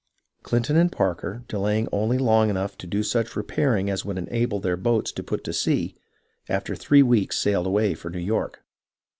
Clinton and Parker, delaying only long enough to do such repairing as would enable their boats to put to sea, after three weeks sailed away for New York.